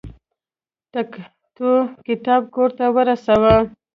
تکتو کتاب کور ته ورسه.